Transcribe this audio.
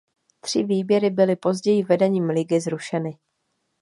Tři výběry byli později vedením ligy zrušeny.